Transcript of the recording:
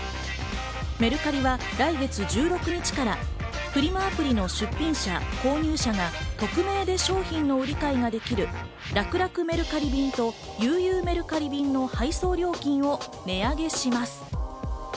メルカリは来月１６日からフリマアプリの出品者と購入者が匿名で商品の売り買いができるらくらくメルカリ便とゆうゆうメルカリ便の配送料金を値上げします。